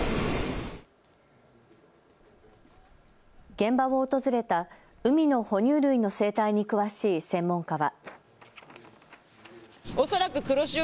現場を訪れた海の哺乳類の生態に詳しい専門家は。